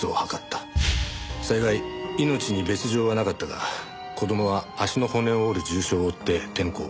幸い命に別条はなかったが子供は足の骨を折る重傷を負って転校。